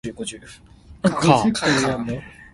佮